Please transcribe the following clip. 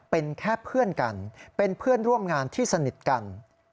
เป็นแค่เพื่อนกันเป็นเพื่อนร่วมงานที่สนิทกัน